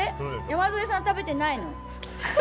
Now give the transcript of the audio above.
山添さん食べてないの？